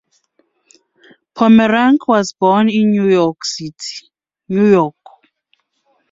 Pomeranc was born in New York City, New York.